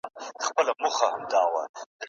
خلګ به د بل نظرياتو ته په سړه سينه غوږ نيسي.